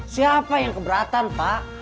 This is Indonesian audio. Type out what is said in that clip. siapa yang keberatan pak